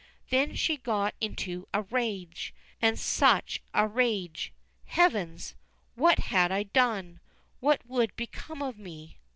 Then she got into a rage. And such a rage! Heavens! what had I done? What would become of me?